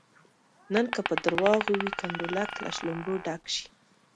نن که په درواغو وي کنډولک له شلومبو ډک شي.